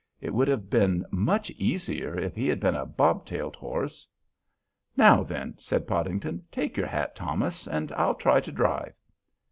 It would have been much easier if he had been a bob tailed horse." "Now then," said Podington, "take your hat, Thomas, and I'll try to drive."